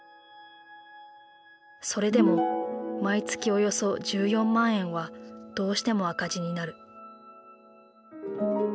それでも毎月およそ１４万円はどうしても赤字になる。